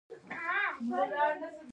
سانتیاګو په کلیسا کې خزانه مومي.